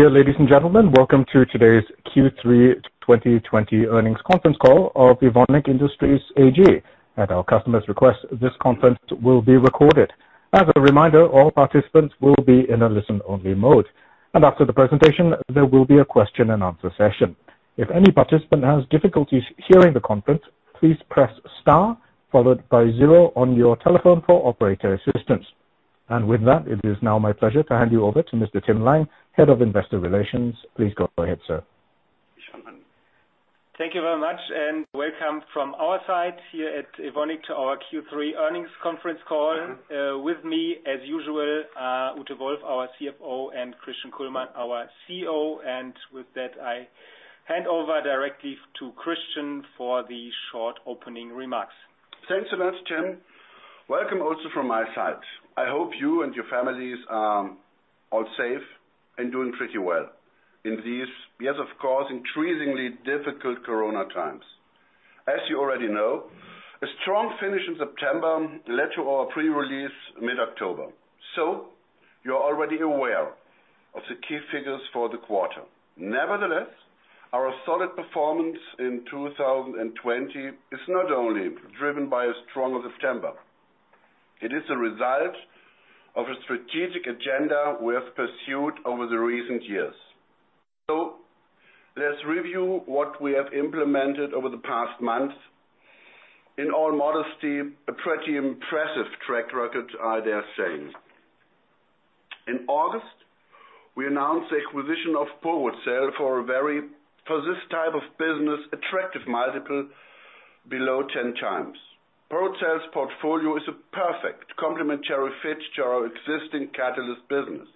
Dear ladies and gentlemen, welcome to today's Q3 2020 earnings conference call of Evonik Industries AG. At our customer's request, this conference will be recorded. As a reminder, all participants will be in a listen-only mode, and after the presentation, there will be a question and answer session. If any participant has difficulties hearing the conference, please press star followed by zero on your telephone for operator assistance. With that, it is now my pleasure to hand you over to Mr. Tim Lange, Head of Investor Relations. Please go ahead, sir. Thank you very much, and welcome from our side here at Evonik to our Q3 earnings conference call. With me, as usual, Ute Wolf, our Chief Financial Officer, and Christian Kullmann, our Chief Executive Officer. With that, I hand over directly to Christian for the short opening remarks. Thanks a lot, Tim. Welcome also from my side. I hope you and your families are all safe and doing pretty well in these, yes, of course, increasingly difficult Corona times. As you already know, a strong finish in September led to our pre-release mid-October. You're already aware of the key figures for the quarter. Nevertheless, our solid performance in 2020 is not only driven by a stronger September. It is a result of a strategic agenda we have pursued over the recent years. Let's review what we have implemented over the past months. In all modesty, a pretty impressive track record, I dare say. In August, we announced the acquisition of Porocel for this type of business, attractive multiple below 10 times. Porocel's portfolio is a perfect complementary fit to our existing catalyst business.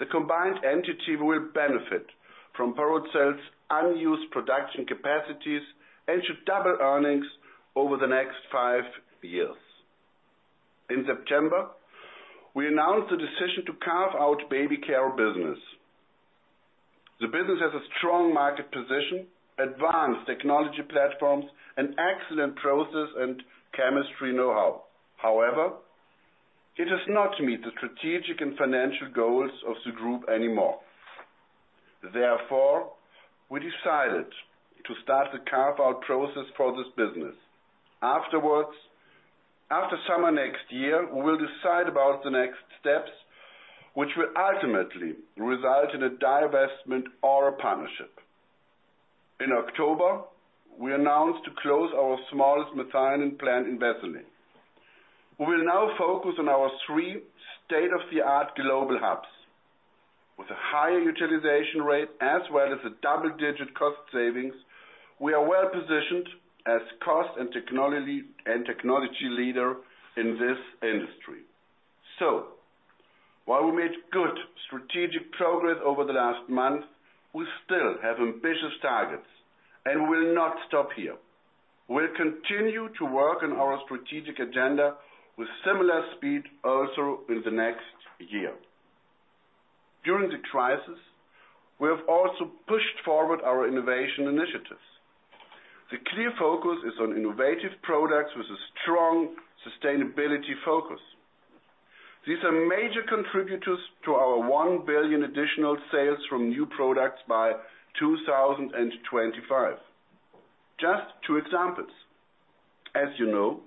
The combined entity will benefit from Porocel's unused production capacities and should double earnings over the next five years. In September, we announced the decision to carve out baby care business. The business has a strong market position, advanced technology platforms, and excellent process and chemistry know-how. It does not meet the strategic and financial goals of the group anymore. We decided to start the carve-out process for this business. After summer next year, we will decide about the next steps, which will ultimately result in a divestment or a partnership. In October, we announced to close our smallest methionine plant in Wesseling. We will now focus on our three state-of-the-art global hubs. With a higher utilization rate as well as a double-digit cost savings, we are well-positioned as cost and technology leader in this industry. While we made good strategic progress over the last month, we still have ambitious targets and will not stop here. We'll continue to work on our strategic agenda with similar speed also in the next year. During the crisis, we have also pushed forward our innovation initiatives. The clear focus is on innovative products with a strong sustainability focus. These are major contributors to our 1 billion additional sales from new products by 2025. Just two examples. As you know,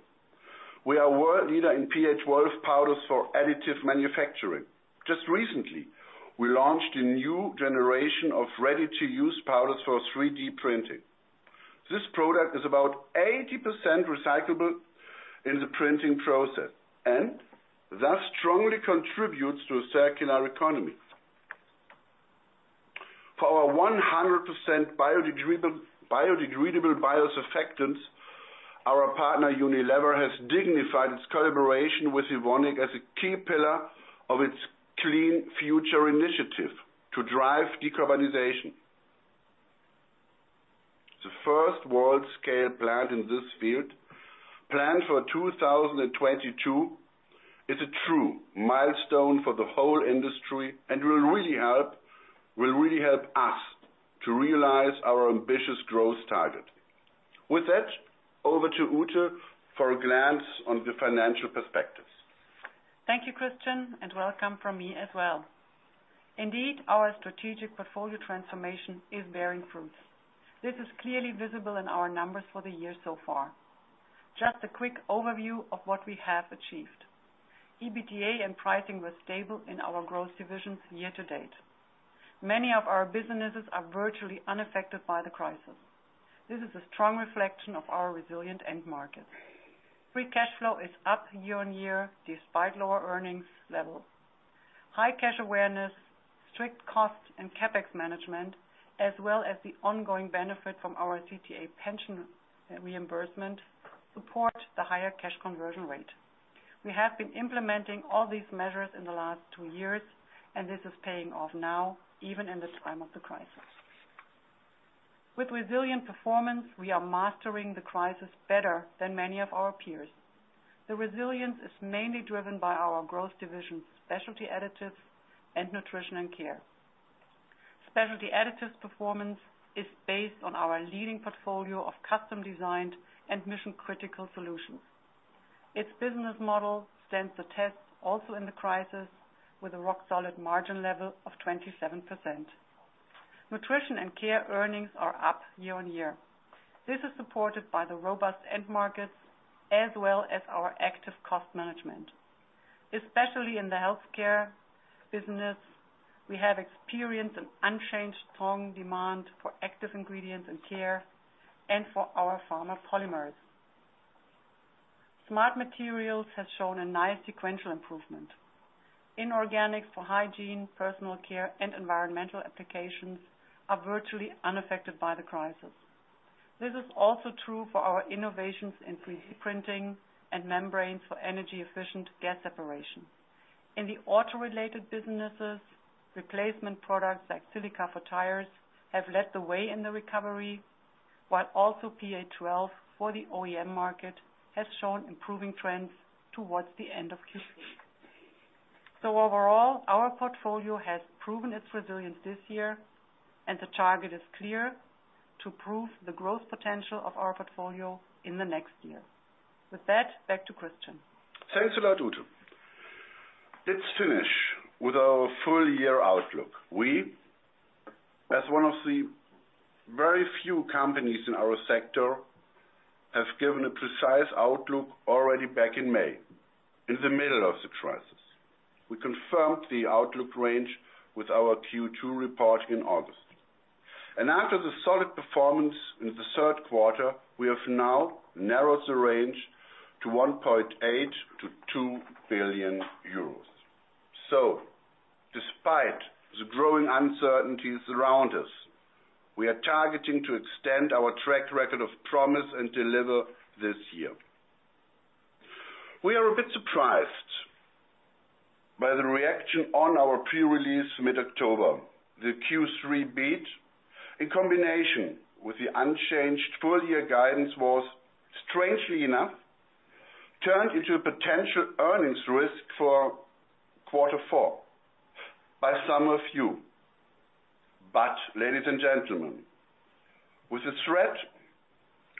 we are world leader in PA12 powders for additive manufacturing. Just recently, we launched a new generation of ready-to-use powders for 3D printing. This product is about 80% recyclable in the printing process, and thus strongly contributes to a circular economy. For our 100% biodegradable biosurfactants, our partner, Unilever, has dignified its collaboration with Evonik as a key pillar of its Clean Future Initiative to drive decarbonization. The first world-scale plant in this field, planned for 2022, is a true milestone for the whole industry and will really help us to realize our ambitious growth target. With that, over to Ute for a glance on the financial perspectives. Thank you, Christian, and welcome from me as well. Indeed, our strategic portfolio transformation is bearing fruits. This is clearly visible in our numbers for the year so far. Just a quick overview of what we have achieved. EBITDA and pricing were stable in our growth divisions year to date. Many of our businesses are virtually unaffected by the crisis. This is a strong reflection of our resilient end markets. Free cash flow is up year-on-year despite lower earnings levels. High cash awareness, strict cost, and CapEx management, as well as the ongoing benefit from our CTA pension reimbursement, support the higher cash conversion rate. We have been implementing all these measures in the last two years, and this is paying off now, even in the time of the crisis. With resilient performance, we are mastering the crisis better than many of our peers. The resilience is mainly driven by our growth divisions, Specialty Additives, and Nutrition & Care. Specialty Additives performance is based on our leading portfolio of custom-designed and mission-critical solutions. Its business model stands the test also in the crisis, with a rock-solid margin level of 27%. Nutrition & Care earnings are up year on year. This is supported by the robust end markets as well as our active cost management. Especially in the healthcare business, we have experienced an unchanged strong demand for active ingredients and care and for our pharma polymers. Smart Materials has shown a nice sequential improvement. Inorganic for hygiene, personal care, and environmental applications are virtually unaffected by the crisis. This is also true for our innovations in 3D printing and membranes for energy-efficient gas separation. In the auto-related businesses, replacement products like silica for tires have led the way in the recovery, while also PA12 for the OEM market has shown improving trends towards the end of Q3. Overall, our portfolio has proven its resilience this year, and the target is clear: to prove the growth potential of our portfolio in the next year. With that, back to Christian. Thanks a lot, Ute. Let's finish with our full-year outlook. We, as one of the very few companies in our sector, have given a precise outlook already back in May, in the middle of the crisis. We confirmed the outlook range with our Q2 report in August. After the solid performance in the third quarter, we have now narrowed the range to 1.8 billion-2 billion euros. Despite the growing uncertainties around us, we are targeting to extend our track record of promise and deliver this year. We are a bit surprised by the reaction on our pre-release mid-October. The Q3 beat, in combination with the unchanged full-year guidance was, strangely enough, turned into a potential earnings risk for quarter four by some of you. Ladies and gentlemen, with the threat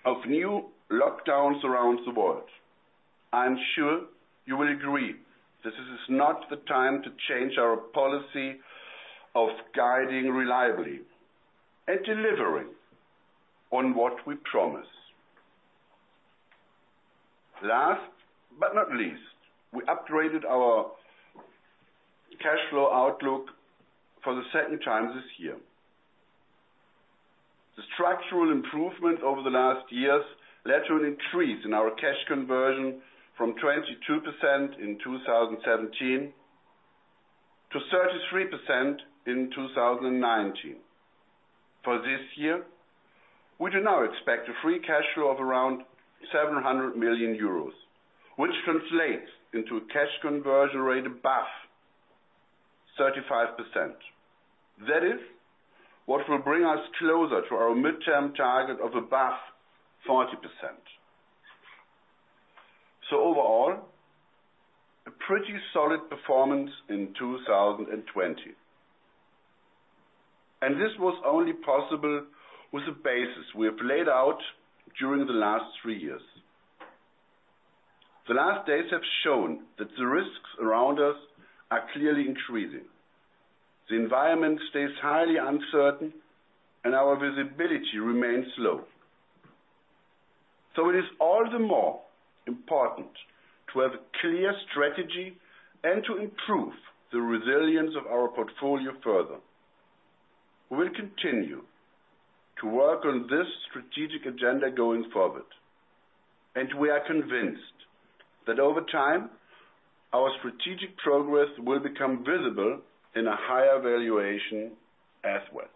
of new lockdowns around the world, I'm sure you will agree this is not the time to change our policy of guiding reliably and delivering on what we promise. Last but not least, we upgraded our cash flow outlook for the second time this year. The structural improvement over the last years led to an increase in our cash conversion from 22% in 2017 to 33% in 2019. For this year, we do now expect a free cash flow of around 700 million euros, which translates into a cash conversion rate above 35%. That is what will bring us closer to our midterm target of above 40%. Overall, a pretty solid performance in 2020. This was only possible with the basis we have laid out during the last three years. The last days have shown that the risks around us are clearly increasing. The environment stays highly uncertain, and our visibility remains low. It is all the more important to have a clear strategy and to improve the resilience of our portfolio further. We will continue to work on this strategic agenda going forward, and we are convinced that over time, our strategic progress will become visible in a higher valuation as well.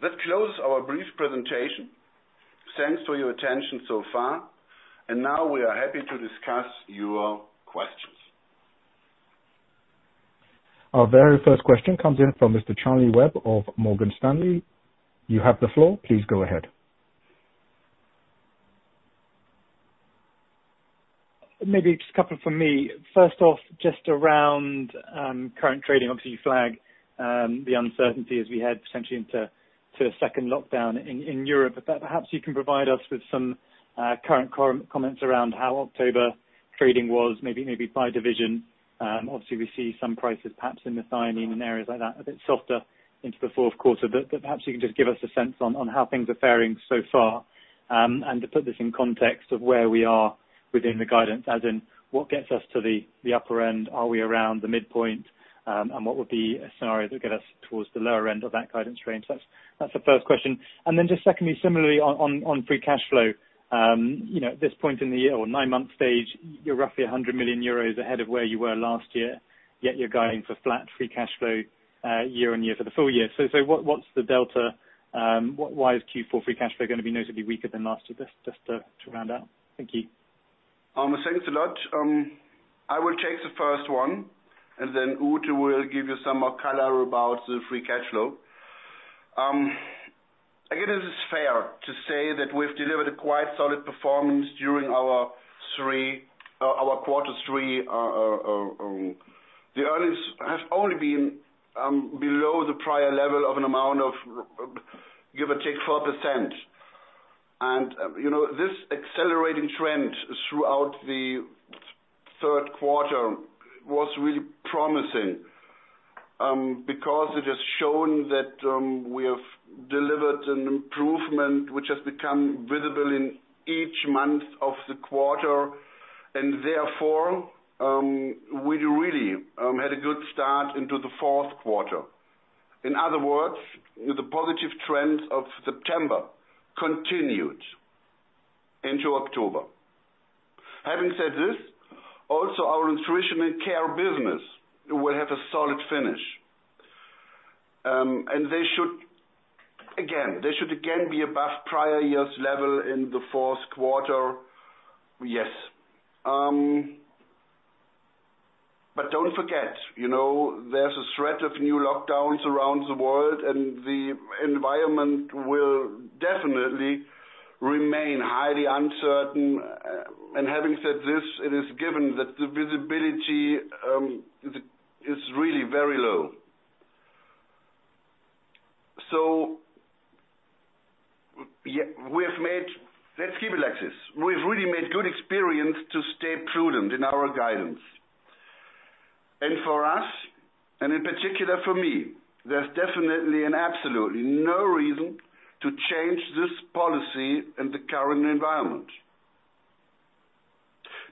That closes our brief presentation. Thanks for your attention so far, and now we are happy to discuss your questions. Our very first question comes in from Mr. Charles Webb of Morgan Stanley. You have the floor. Please go ahead. Maybe just a couple from me. First off, just around current trading. Obviously, you flagged the uncertainty as we head potentially into a second lockdown in Europe. Perhaps you can provide us with some current comments around how October trading was, maybe by division. Obviously, we see some prices, perhaps in methionine and areas like that, a bit softer into the fourth quarter. Perhaps you can just give us a sense on how things are faring so far, and to put this in context of where we are within the guidance, as in what gets us to the upper end. Are we around the midpoint? What would be a scenario that would get us towards the lower end of that guidance range? That's the first question. Then just secondly, similarly on free cash flow. At this point in the year, or nine month stage, you're roughly 100 million euros ahead of where you were last year, yet you're guiding for flat free cash flow year-on-year for the full year. What's the delta? Why is Q4 free cash flow going to be notably weaker than last year? Just to round out. Thank you. Thanks a lot. I will take the first one, and then Ute will give you some more color about the free cash flow. It is fair to say that we've delivered a quite solid performance during our quarter three. The earnings have only been below the prior level of an amount of give or take 4%. This accelerating trend throughout the third quarter was really promising because it has shown that we have delivered an improvement which has become visible in each month of the quarter, and therefore, we really had a good start into the fourth quarter. In other words, the positive trends of September continued into October. Having said this, also our Nutrition & Care business will have a solid finish. They should again be above prior year's level in the fourth quarter, yes. Don't forget, there's a threat of new lockdowns around the world, and the environment will definitely remain highly uncertain. Having said this, it is given that the visibility is really very low. Let's keep it like this. We've really made good experience to stay prudent in our guidance. For us, and in particular for me, there's definitely and absolutely no reason to change this policy in the current environment.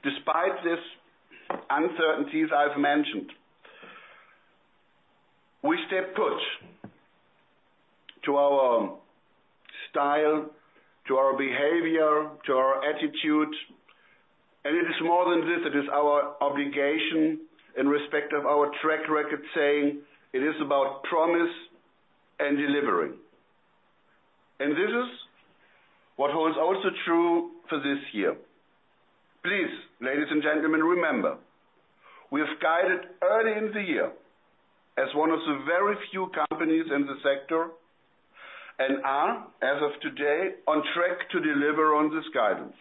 Despite these uncertainties I've mentioned, we stay put to our style, to our behavior, to our attitude. It is more than this, it is our obligation in respect of our track record, saying it is about promise and delivery. This is what holds also true for this year. Please, ladies and gentlemen, remember, we have guided early in the year as one of the very few companies in the sector, and are, as of today, on track to deliver on this guidance.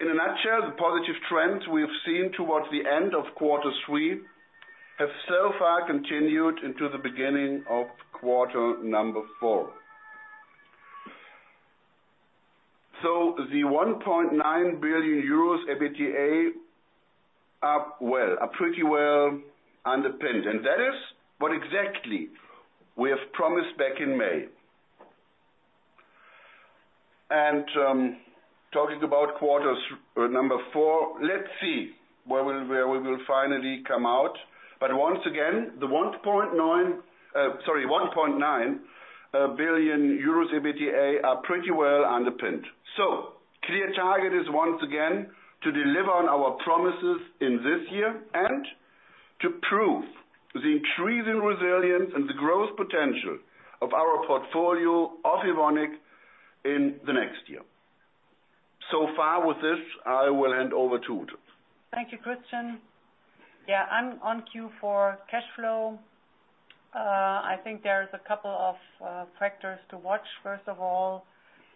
In a nutshell, the positive trends we have seen towards the end of quarter three have so far continued into the beginning of quarter number four. The 1.9 billion euros EBITDA are pretty well underpinned, and that is what exactly we have promised back in May. Talking about quarters number four, let's see where we will finally come out. Once again, the 1.9 billion euros EBITDA are pretty well underpinned. Clear target is once again to deliver on our promises in this year and to prove the increasing resilience and the growth potential of our portfolio of Evonik in the next year. Far with this, I will hand over to Ute. Thank you, Christian. On Q4 cash flow, I think there's a couple of factors to watch. First of all,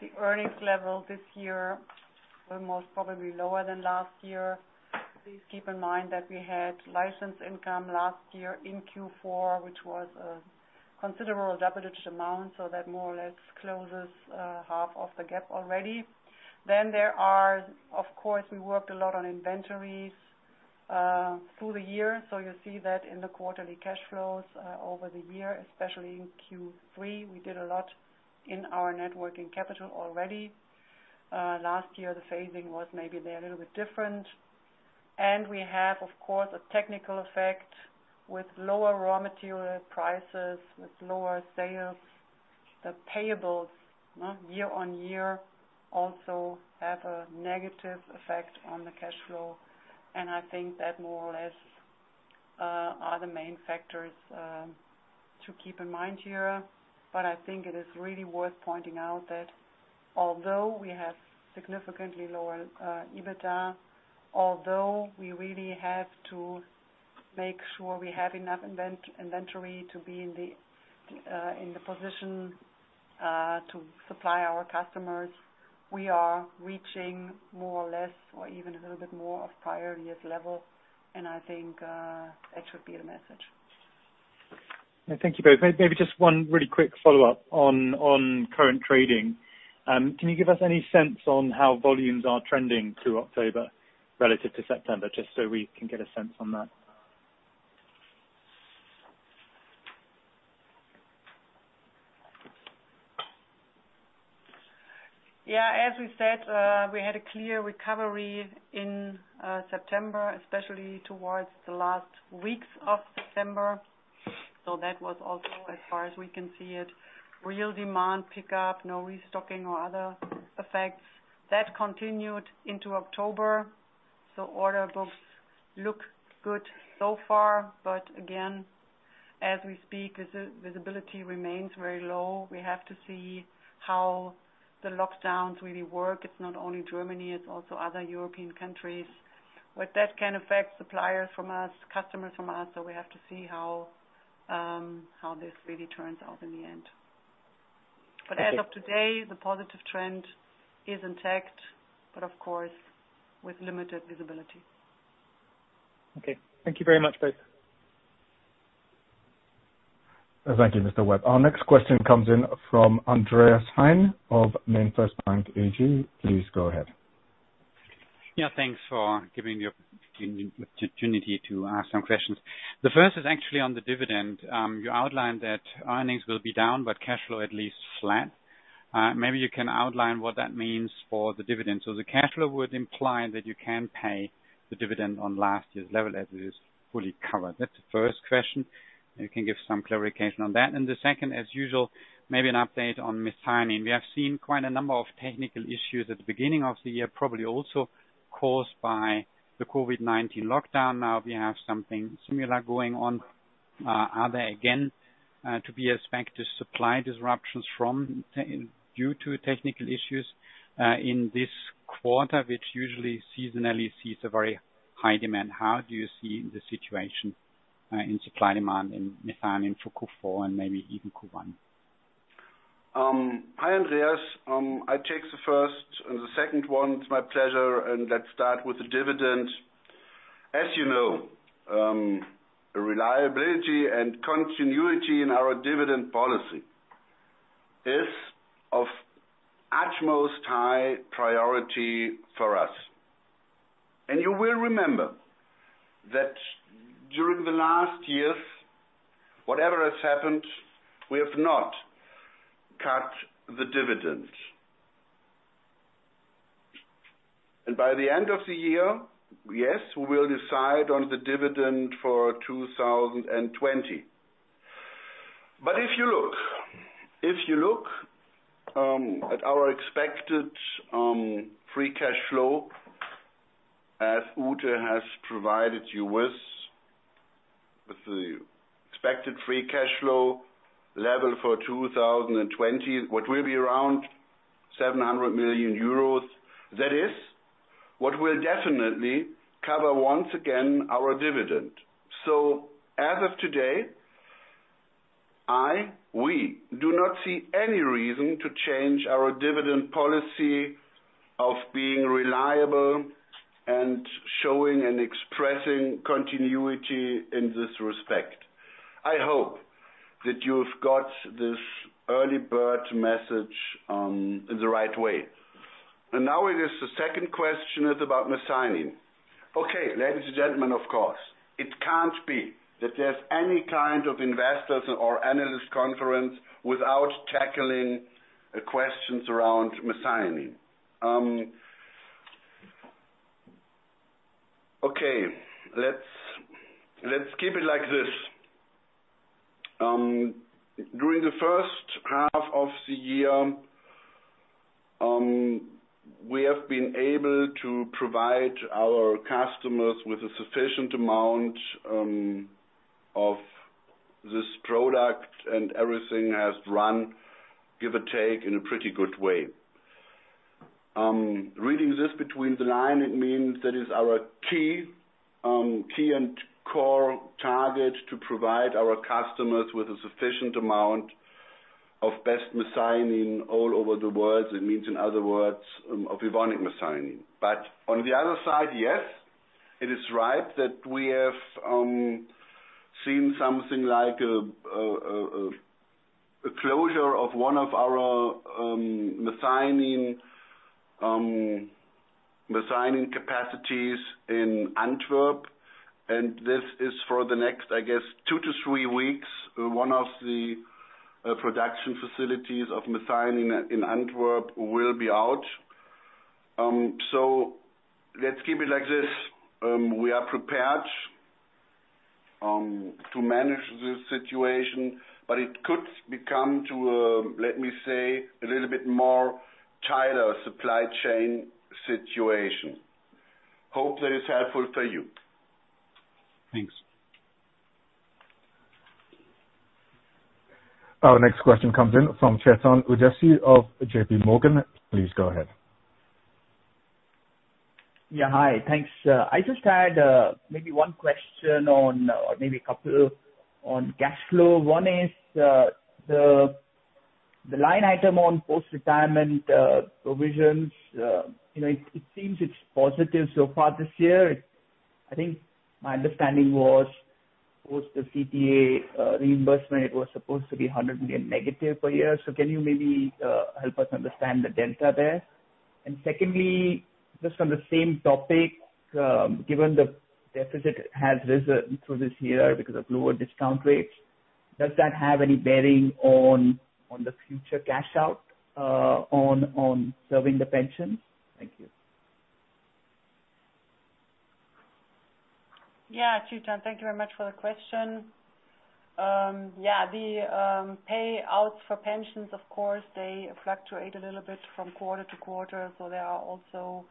the earnings level this year are most probably lower than last year. Please keep in mind that we had licensed income last year in Q4, which was a considerable double-digit amount, so that more or less closes half of the gap already. Of course, we worked a lot on inventories through the year, so you see that in the quarterly cash flows over the year, especially in Q3, we did a lot in our net working capital already. Last year, the phasing was maybe there a little bit different. We have, of course, a technical effect with lower raw material prices, with lower sales. The payables year-over-year also have a negative effect on the cash flow. I think that more or less are the main factors to keep in mind here. I think it is really worth pointing out that although we have significantly lower EBITDA, although we really have to make sure we have enough inventory to be in the position to supply our customers, we are reaching more or less or even a little bit more of prior year's level. I think that should be the message. Thank you both. Just one really quick follow-up on current trading. Can you give us any sense on how volumes are trending through October relative to September, just so we can get a sense on that? Yeah, as we said, we had a clear recovery in September, especially towards the last weeks of September. That was also, as far as we can see it, real demand pickup, no restocking or other effects. That continued into October, order books look good so far. Again, as we speak, visibility remains very low. We have to see how the lockdowns really work. It's not only Germany, it's also other European countries. That can affect suppliers from us, customers from us, we have to see how this really turns out in the end. As of today, the positive trend is intact, but of course, with limited visibility. Okay. Thank you very much, both. Thank you, Mr. Webb. Our next question comes in from Andreas Heine of MainFirst Bank AG. Please go ahead. Yeah, thanks for giving me the opportunity to ask some questions. The first is actually on the dividend. You outlined that earnings will be down, cash flow at least flat. Maybe you can outline what that means for the dividend. The cash flow would imply that you can pay the dividend on last year's level as it is fully covered. That's the first question. You can give some clarification on that. The second, as usual, maybe an update on methionine. We have seen quite a number of technical issues at the beginning of the year, probably also caused by the COVID-19 lockdown. Now we have something similar going on. Are there again to be expected supply disruptions due to technical issues, in this quarter, which usually seasonally sees a very high demand? How do you see the situation in supply demand in methionine for Q4 and maybe even Q1? Hi, Andreas. I take the first and the second one. It's my pleasure. Let's start with the dividend. As you know, reliability and continuity in our dividend policy is of utmost high priority for us. You will remember that during the last years, whatever has happened, we have not cut the dividend. By the end of the year, yes, we will decide on the dividend for 2020. If you look at our expected free cash flow, as Ute has provided you with, the expected free cash flow level for 2020, what will be around 700 million euros. That is what will definitely cover, once again, our dividend. As of today, I, we, do not see any reason to change our dividend policy of being reliable and showing and expressing continuity in this respect. I hope that you've got this early bird message in the right way. Now it is the second question is about methionine. Okay, ladies and gentlemen, of course, it can't be that there's any kind of investors or analyst conference without tackling questions around methionine. Okay. Let's keep it like this. During the first half of the year, we have been able to provide our customers with a sufficient amount of this product, and everything has run, give or take, in a pretty good way. Reading this between the line, it means that is our key and core target to provide our customers with a sufficient amount of best methionine all over the world. It means, in other words, of Evonik methionine. On the other side, yes, it is right that we have seen something like a closure of one of our methionine capacities in Antwerp, and this is for the next, I guess, two to three weeks. One of the production facilities of methionine in Antwerp will be out. Let's keep it like this. We are prepared to manage the situation, but it could become to, let me say, a little bit more tighter supply chain situation. Hope that is helpful for you. Thanks. Our next question comes in from Chetan Udeshi of JPMorgan. Please go ahead. Yeah. Hi. Thanks. I just had maybe one question on, or maybe a couple on cash flow. One is the line item on post-retirement provisions. It seems it's positive so far this year. I think my understanding was post the CTA reimbursement, it was supposed to be 100 million negative per year. Can you maybe help us understand the delta there? Secondly, just on the same topic, given the deficit has risen through this year because of lower discount rates, does that have any bearing on the future cash out on serving the pensions? Thank you. Yeah, Chetan, thank you very much for the question. The payouts for pensions, of course, they fluctuate a little bit from quarter to quarter. There are also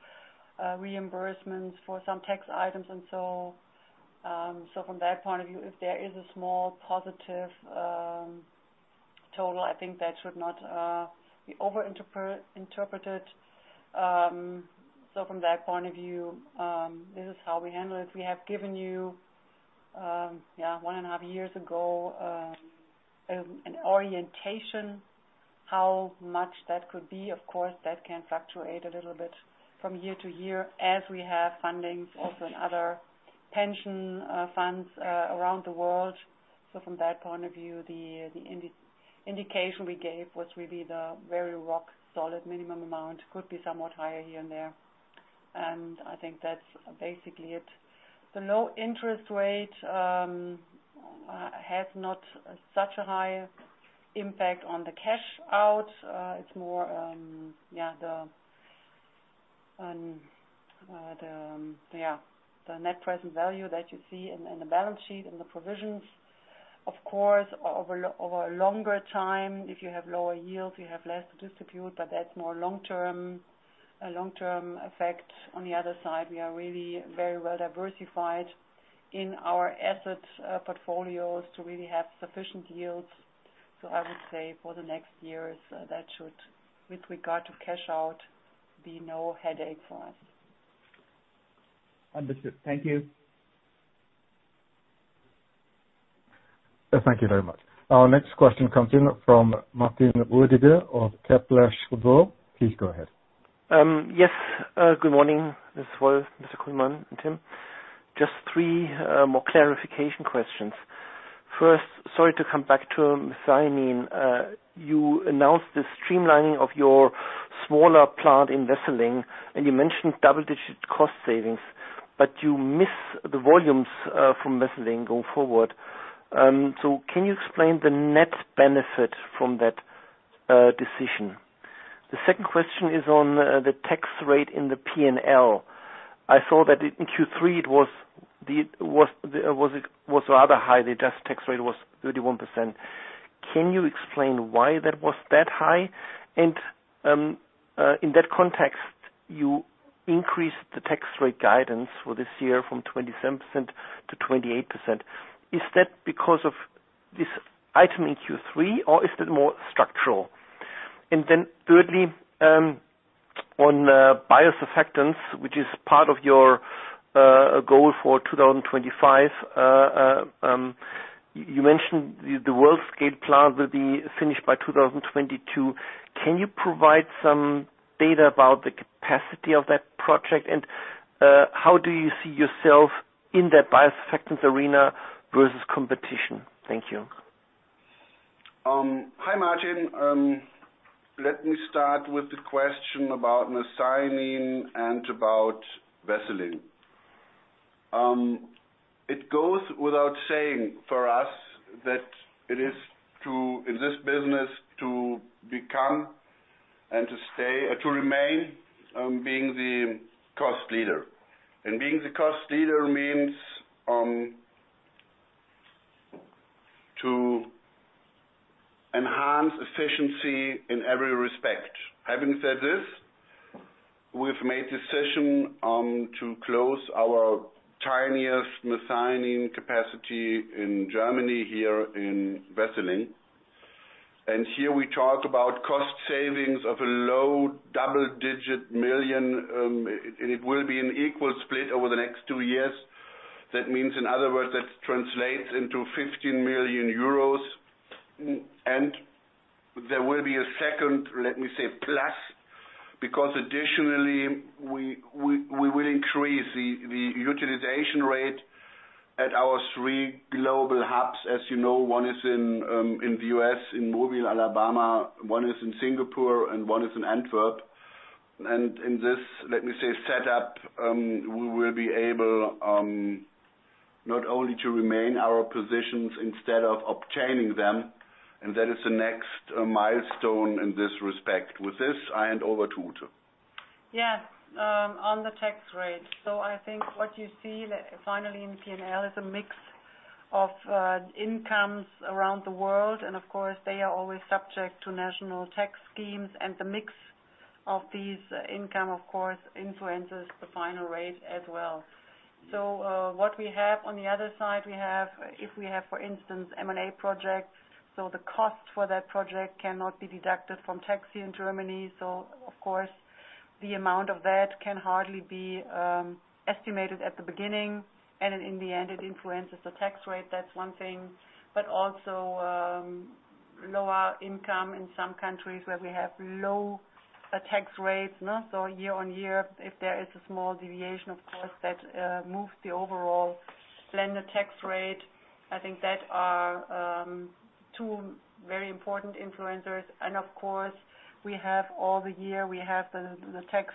reimbursements for some tax items. From that point of view, if there is a small positive total, I think that should not be over-interpreted. From that point of view, this is how we handle it. We have given you, one and a half years ago, an orientation how much that could be. Of course, that can fluctuate a little bit from year to year as we have fundings also in other pension funds around the world. From that point of view, the indication we gave was really the very rock solid minimum amount, could be somewhat higher here and there. I think that's basically it. The low interest rate has not such a high impact on the cash out. It's more the net present value that you see in the balance sheet and the provisions. Over a longer time, if you have lower yields, you have less to distribute, but that's more a long-term effect. On the other side, we are really very well diversified in our asset portfolios to really have sufficient yields. I would say for the next years, that should, with regard to cash out, be no headache for us. Understood. Thank you. Thank you very much. Our next question comes in from Martin Roediger of Kepler Cheuvreux. Please go ahead. Yes. Good morning, as well, Mr. Kullmann and Tim. Just three more clarification questions. First, sorry to come back to methionine. You announced the streamlining of your smaller plant in Wesseling, and you mentioned double-digit cost savings, but you miss the volumes from Wesseling go forward. Can you explain the net benefit from that decision? The second question is on the tax rate in the P&L. I saw that in Q3 it was rather high. The tax rate was 31%. Can you explain why that was that high? In that context, you increased the tax rate guidance for this year from 27%-28%. Is that because of this item in Q3, or is it more structural? Thirdly, on biosurfactants, which is part of your goal for 2025, you mentioned the world-scale plant will be finished by 2022. Can you provide some data about the capacity of that project? How do you see yourself in that biosurfactants arena versus competition? Thank you. Hi, Martin. Let me start with the question about methionine and about Wesseling. It goes without saying for us that it is, in this business, to become and to remain being the cost leader. Being the cost leader means to enhance efficiency in every respect. Having said this, we've made decision to close our tiniest methionine capacity in Germany here in Wesseling. Here we talk about cost savings of a low double-digit million EUR. It will be an equal split over the next two years. That means, in other words, that translates into 15 million euros. There will be a second, let me say, plus, because additionally, we will increase the utilization rate at our three global hubs. As you know, one is in the U.S., in Mobile, Alabama, one is in Singapore, and one is in Antwerp. In this, let me say setup, we will be able not only to remain our positions instead of obtaining them, and that is the next milestone in this respect. With this, I hand over to Ute. On the tax rate. I think what you see finally in P&L is a mix of incomes around the world, and of course, they are always subject to national tax schemes, and the mix of these income, of course, influences the final rate as well. What we have on the other side, if we have, for instance, M&A projects, the cost for that project cannot be deducted from tax here in Germany. Of course, the amount of that can hardly be estimated at the beginning, and in the end, it influences the tax rate. That's one thing. Also, lower income in some countries where we have low tax rates. Year on year, if there is a small deviation, of course, that moves the overall blended tax rate. I think that are two very important influencers. Of course, we have all the year, we have the tax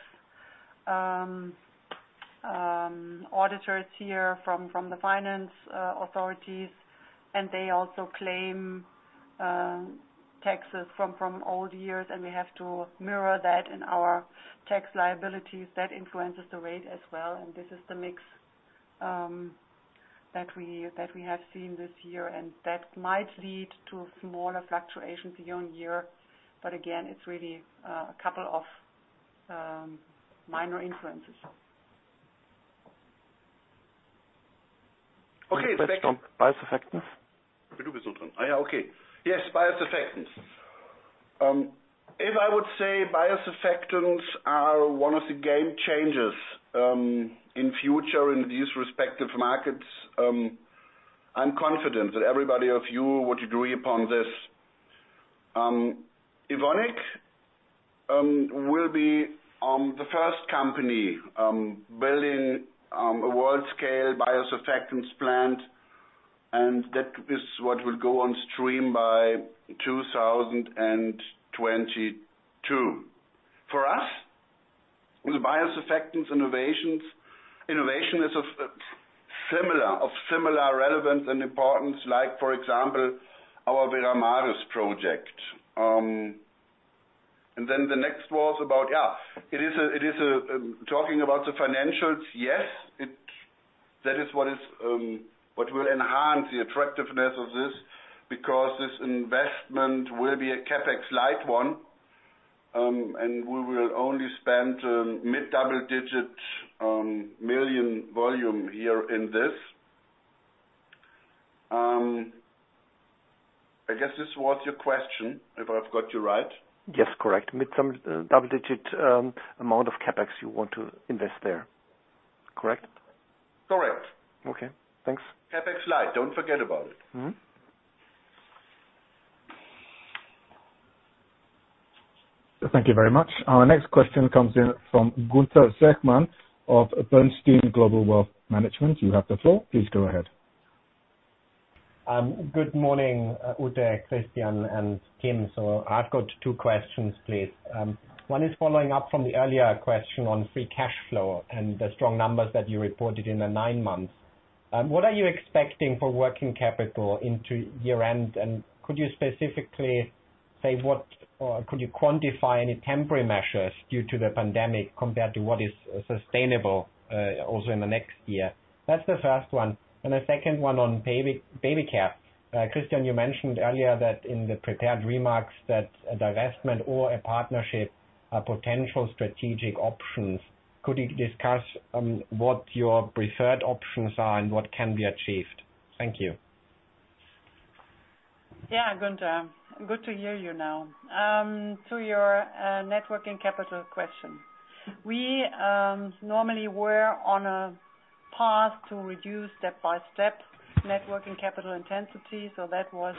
auditors here from the finance authorities, and they also claim taxes from old years, and we have to mirror that in our tax liabilities. That influences the rate as well. This is the mix that we have seen this year, and that might lead to smaller fluctuations year on year. Again, it's really a couple of minor influences. Okay. Let's jump biosurfactants. You do this one. Okay. Yes, biosurfactants. If I would say biosurfactants are one of the game changers in future, in these respective markets, I'm confident that everybody of you would agree upon this. Evonik will be the first company building a world-scale biosurfactants plant, and that is what will go on stream by 2022. For us, the biosurfactants innovation is of similar relevance and importance like, for example, our Veramaris project. The next was about Yeah, it is talking about the financials. Yes. That is what will enhance the attractiveness of this, because this investment will be a CapEx light one, and we will only spend mid-double digit million volume here in this. I guess this was your question, if I've got you right. Yes, correct. Mid- double digit amount of CapEx you want to invest there, correct? Correct. Okay, thanks. CapEx light. Don't forget about it. Thank you very much. Our next question comes in from Gunther Zechmann of Bernstein Global Wealth Management. You have the floor. Please go ahead. Good morning, Ute, Christian, and Tim. I've got two questions, please. One is following up from the earlier question on free cash flow and the strong numbers that you reported in the nine months. What are you expecting for working capital into year-end? Could you specifically say, or could you quantify any temporary measures due to the pandemic compared to what is sustainable, also in the next year? That's the first one, the second one on Baby Care. Christian, you mentioned earlier that in the prepared remarks that divestment or a partnership are potential strategic options. Could you discuss what your preferred options are and what can be achieved? Thank you. Yeah, Gunther. Good to hear you now. To your net working capital question. We normally were on a path to reduce step by step net working capital intensity. That was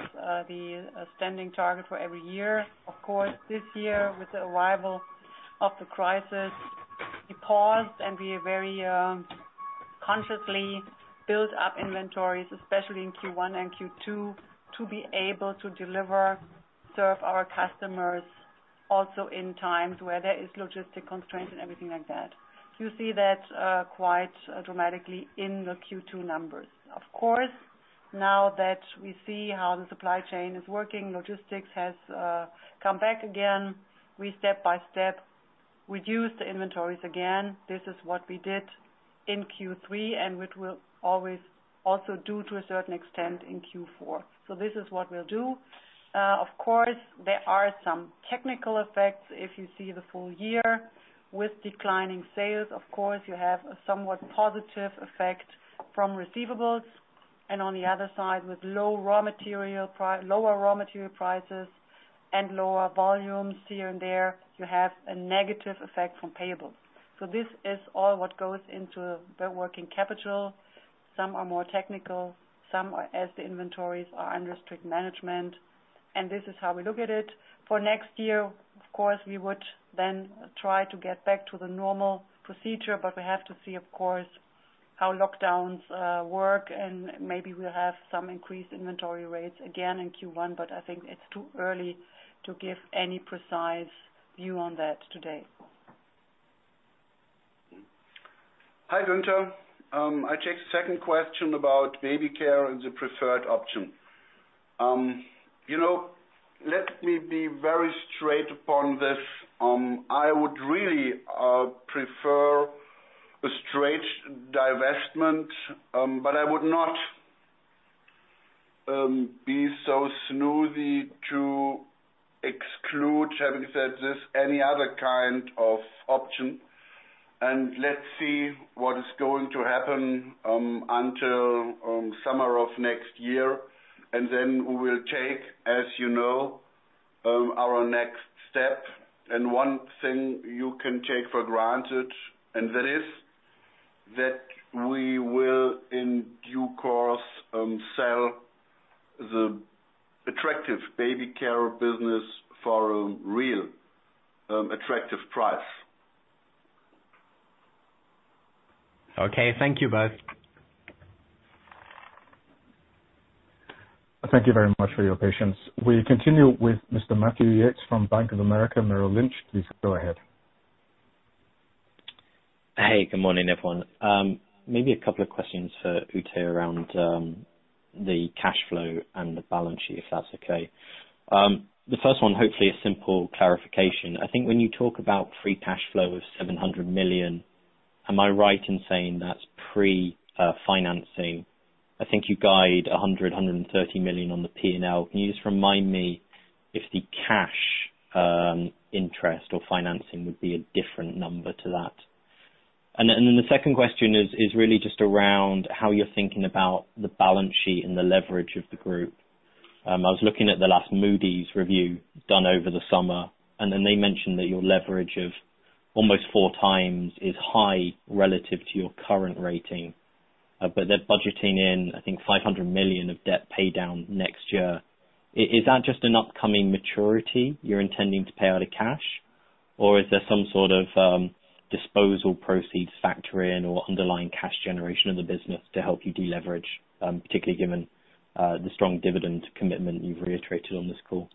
the standing target for every year. Of course, this year, with the arrival of the crisis, we paused and we very consciously built up inventories, especially in Q1 and Q2, to be able to deliver, serve our customers also in times where there is logistic constraints and everything like that. You see that quite dramatically in the Q2 numbers. Of course, now that we see how the supply chain is working, logistics has come back again. We step by step reduced the inventories again. This is what we did in Q3 and which we'll always also do to a certain extent in Q4. This is what we'll do. Of course, there are some technical effects. If you see the full year with declining sales, of course, you have a somewhat positive effect from receivables. On the other side, with lower raw material prices and lower volumes here and there, you have a negative effect from payables. This is all what goes into the net working capital. Some are more technical, some are as the inventories are under strict management, and this is how we look at it. For next year, of course, we would then try to get back to the normal procedure, we have to see, of course, how lockdowns work, and maybe we'll have some increased inventory rates again in Q1. I think it's too early to give any precise view on that today. Hi, Gunther. I take the second question about Baby Care as the preferred option. Let me be very straight upon this. I would really prefer a straight divestment. I would not be so smoothie to exclude, having said this, any other kind of option. Let's see what is going to happen until summer of next year, and then we will take, as you know, our next step. One thing you can take for granted, and that is that we will in due course, sell the attractive Baby Care business for a real attractive price. Okay. Thank you both. Thank you very much for your patience. We continue with Mr. Matthew Yates from Bank of America Merrill Lynch. Please go ahead. Hey, good morning, everyone. Maybe a couple of questions for Ute around the cash flow and the balance sheet, if that's okay. The first one, hopefully a simple clarification. I think when you talk about free cash flow of 700 million, am I right in saying that's pre-financing? I think you guide 100 million, 130 million on the P&L. Can you just remind me if the cash interest or financing would be a different number to that. The second question is really just around how you're thinking about the balance sheet and the leverage of the group. I was looking at the last Moody's review done over the summer, they mentioned that your leverage of almost four times is high relative to your current rating. They're budgeting in, I think, 500 million of debt pay down next year. Is that just an upcoming maturity you're intending to pay out of cash? Or is there some sort of disposal proceeds factor in or underlying cash generation of the business to help you deleverage, particularly given the strong dividend commitment you've reiterated on this call?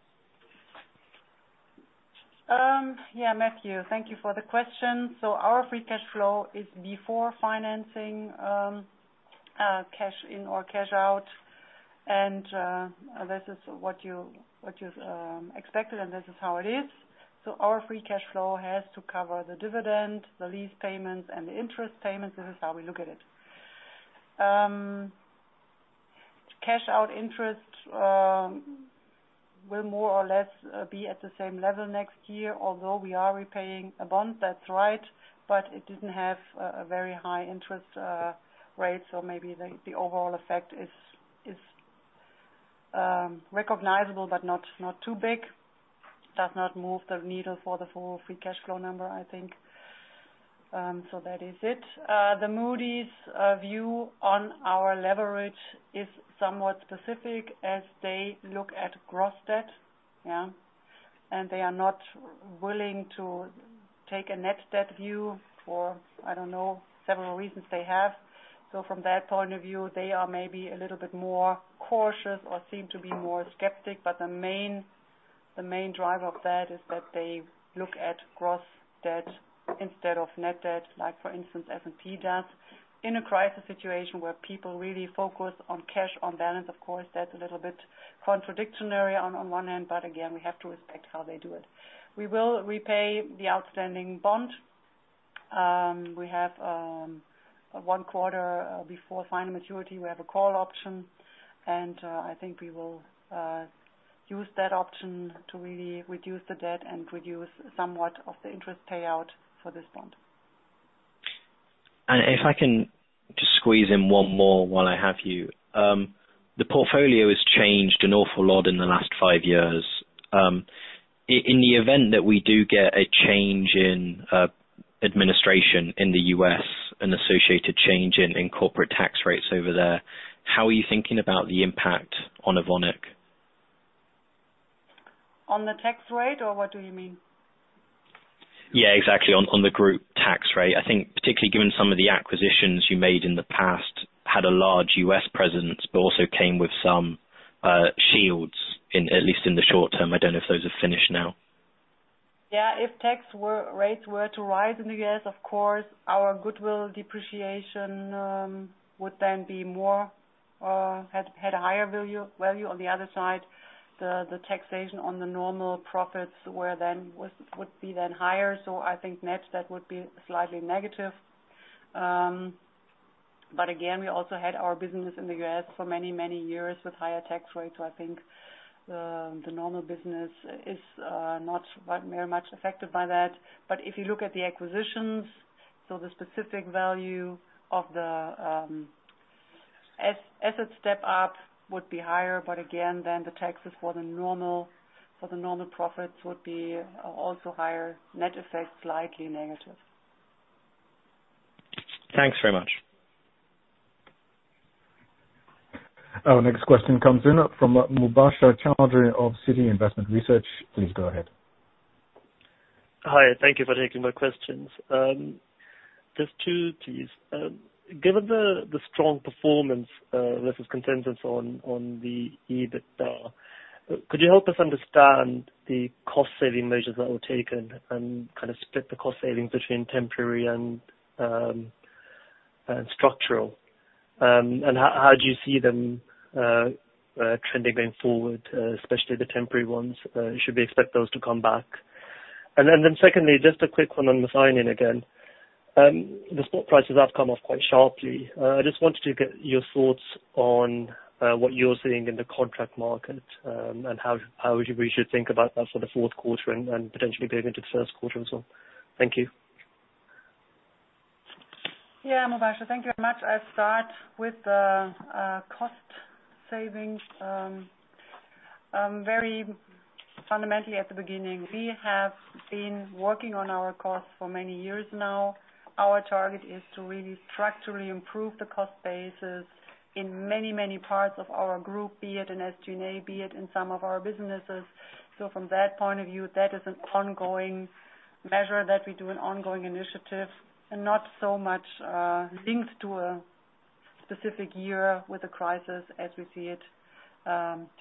Matthew, thank you for the question. Our free cash flow is before financing cash in or cash out and this is what you've expected, and this is how it is. Our free cash flow has to cover the dividend, the lease payments, and the interest payments. This is how we look at it. Cash out interest will more or less be at the same level next year, although we are repaying a bond, that's right. It didn't have a very high interest rate. Maybe the overall effect is recognizable but not too big. Does not move the needle for the full free cash flow number, I think. That is it. The Moody's view on our leverage is somewhat specific as they look at gross debt, yeah. They are not willing to take a net debt view for, I don't know, several reasons they have. From their point of view, they are maybe a little bit more cautious or seem to be more skeptic, but the main driver of that is that they look at gross debt instead of net debt, like for instance, S&P does. In a crisis situation where people really focus on cash on balance, of course, that's a little bit contradictory on one end, but again, we have to respect how they do it. We will repay the outstanding bond. We have one quarter before final maturity. We have a call option, and I think we will use that option to really reduce the debt and reduce somewhat of the interest payout for this bond. If I can just squeeze in one more while I have you. The portfolio has changed an awful lot in the last five years. In the event that we do get a change in administration in the U.S., an associated change in corporate tax rates over there, how are you thinking about the impact on Evonik? On the tax rate, or what do you mean? Yeah, exactly. On the group tax rate. I think particularly given some of the acquisitions you made in the past had a large U.S. presence, but also came with some shields, at least in the short term. I don't know if those are finished now. Yeah. If tax rates were to rise in the U.S., of course, our goodwill depreciation would then be more, had a higher value. On the other side, the taxation on the normal profits would be then higher. I think net, that would be slightly negative. Again, we also had our business in the U.S. for many, many years with higher tax rates. I think the normal business is not very much affected by that. If you look at the acquisitions, the specific value of the, as a step up would be higher, again, then the taxes for the normal profits would be also higher. Net effect, slightly negative. Thanks very much. Our next question comes in from Mubasher Chaudhry of Citi Research. Please go ahead. Hi. Thank you for taking my questions. Just two, please. Given the strong performance versus consensus on the EBITDA, could you help us understand the cost-saving measures that were taken and kind of split the cost savings between temporary and structural? How do you see them trending going forward, especially the temporary ones? Should we expect those to come back? Secondly, just a quick one on the methionine again. The stock prices have come off quite sharply. I just wanted to get your thoughts on what you're seeing in the contract market, and how we should think about that for the fourth quarter and potentially going into the first quarter as well. Thank you. Yeah, Mubasher. Thank you very much. I'll start with the cost savings. Very fundamentally at the beginning, we have been working on our costs for many years now. Our target is to really structurally improve the cost basis in many, many parts of our group, be it in SG&A, be it in some of our businesses. From that point of view, that is an ongoing measure that we do, an ongoing initiative, and not so much linked to a specific year with a crisis as we see it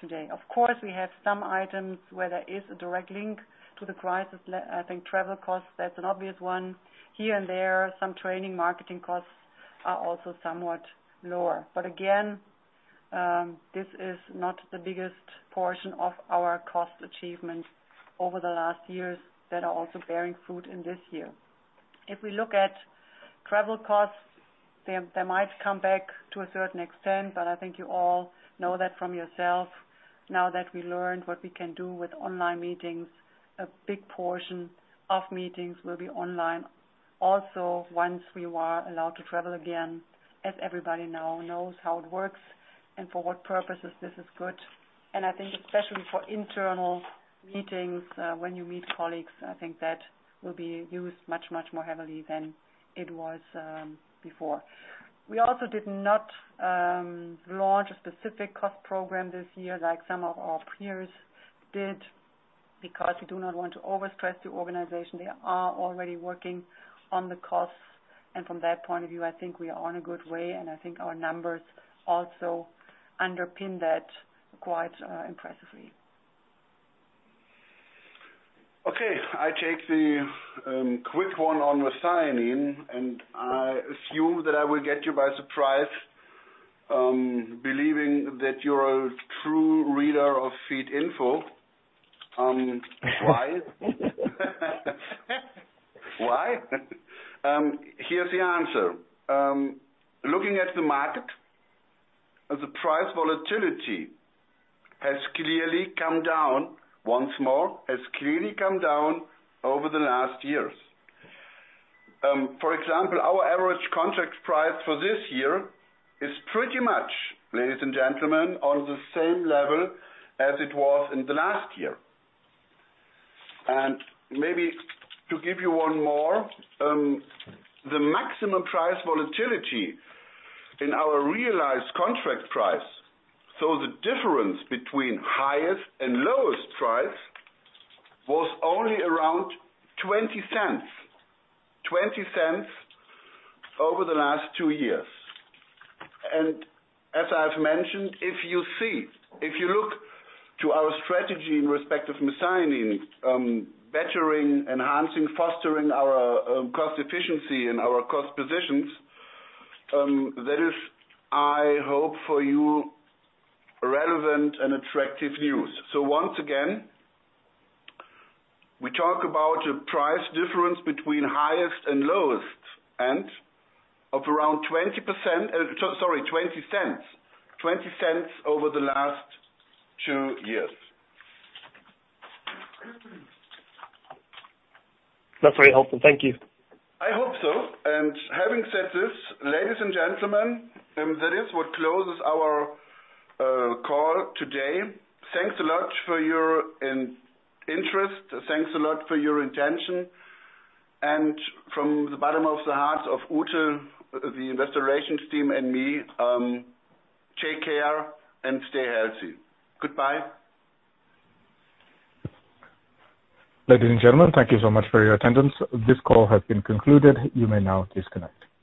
today. Of course, we have some items where there is a direct link to the crisis. I think travel costs, that's an obvious one. Here and there, some training, marketing costs are also somewhat lower. Again, this is not the biggest portion of our cost achievement over the last years that are also bearing fruit in this year. If we look at travel costs, they might come back to a certain extent, but I think you all know that from yourself now that we learned what we can do with online meetings. A big portion of meetings will be online also once we are allowed to travel again, as everybody now knows how it works and for what purposes this is good. I think especially for internal meetings, when you meet colleagues, I think that will be used much more heavily than it was before. We also did not launch a specific cost program this year like some of our peers did, because we do not want to overstress the organization. They are already working on the costs. From that point of view, I think we are on a good way, and I think our numbers also underpin that quite impressively. Okay. I take the quick one on methionine. I assume that I will get you by surprise, believing that you're a true reader of Feedinfo. Why? Here's the answer. Looking at the market, the price volatility has clearly come down once more, has clearly come down over the last years. For example, our average contract price for this year is pretty much, ladies and gentlemen, on the same level as it was in the last year. Maybe to give you one more, the maximum price volatility in our realized contract price, so the difference between highest and lowest price, was only around 0.20 over the last two years. As I've mentioned, if you look to our strategy in respect of methionine, bettering, enhancing, fostering our cost efficiency and our cost positions, that is, I hope for you, relevant and attractive news. Once again, we talk about a price difference between highest and lowest end of around 0.20 over the last two years. That's very helpful. Thank you. I hope so. Having said this, ladies and gentlemen, that is what closes our call today. Thanks a lot for your interest. Thanks a lot for your attention. From the bottom of the hearts of Ute, the investor relations team, and me take care and stay healthy. Goodbye. Ladies and gentlemen, thank you so much for your attendance. This call has been concluded. You may now disconnect.